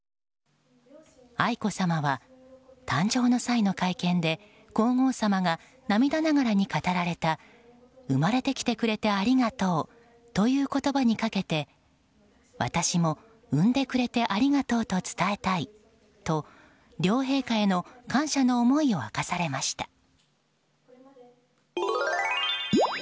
愛子さまは、誕生の際の会見で皇后さまが涙ながらに語られた生まれてきてくれてありがとうという言葉にかけて私も産んでくれてありがとうと伝えたいと、両陛下への感謝の思いを明かされました。